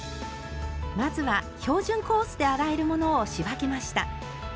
まずは標準コースで洗えるものを仕分けました。